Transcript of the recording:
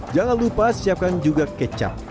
jangan lupa siapkan juga kecap